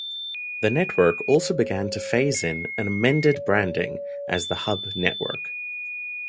The network also began to phase in an amended branding as the Hub Network.